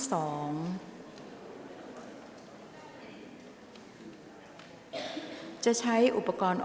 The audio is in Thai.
ออกรางวัลเลขหน้า๓ตัวครั้งที่๒